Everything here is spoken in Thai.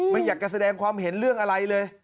ไม่อยากจะแสดงความเห็นเรื่องอะไรเลย